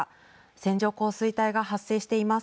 線状降水帯が発生しています。